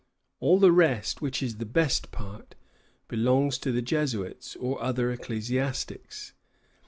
All the rest, which is the best part, belongs to the Jesuits or other ecclesiastics.